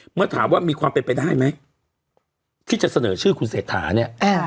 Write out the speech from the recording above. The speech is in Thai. เมื่อถามว่ามีความเป็นไปได้ไหมที่จะเสนอชื่อคุณเศรษฐาเนี่ย